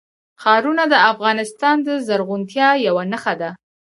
ښارونه د افغانستان د زرغونتیا یوه نښه ده.